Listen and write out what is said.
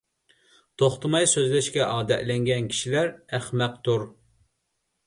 توختىماي سۆزلەشكە ئادەتلەنگەن كىشىلەر ئەخمەقتۇر.